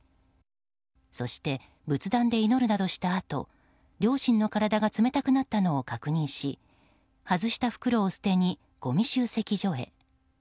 そして、仏壇で祈るなどしたあと両親の体が冷たくなったのを確認し外した袋を捨てに、ごみ集積所へ。